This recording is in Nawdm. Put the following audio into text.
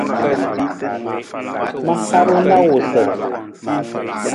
Ma haru na awusar.